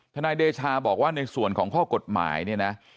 นายเดชาบอกว่าในส่วนของข้อกฎหมายเนี่ยนะ